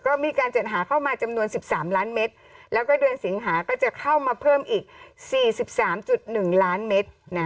ก็มีการจัดหาเข้ามาจำนวน๑๓ล้านเมตรแล้วก็เดือนสิงหาก็จะเข้ามาเพิ่มอีก๔๓๑ล้านเมตร